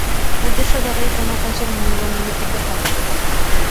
উদ্দেশ্য দ্বারাই কোন কাজের মূল্য নিরূপিত হয়।